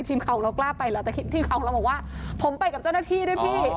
ทีมข่าวของเรากล้าไปเหรอแต่ทีมข่าวของเราบอกว่าผมไปกับเจ้าหน้าที่ด้วยพี่